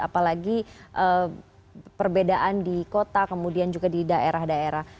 apalagi perbedaan di kota kemudian juga di daerah daerah